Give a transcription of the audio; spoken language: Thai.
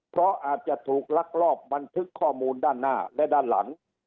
เพราะอาจจะถูกลักลอบบันทึกข้อมูลด้านหน้าและด้านหลัง